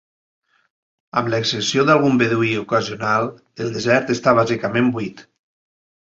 Amb l'excepció d'algun beduí ocasional, el desert està bàsicament buit.